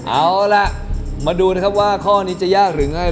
เอาล่ะมาดูนะครับว่าข้อนี้จะยากหรือไม่